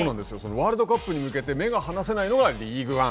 ワールドカップに向けて目が離せないのがリーグワン。